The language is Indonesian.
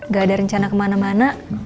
gak ada rencana kemana mana